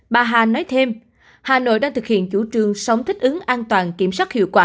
bà hà nói thêm hà nội đang thực hiện chủ trương sống thích ứng an toàn kiểm soát hiệu quả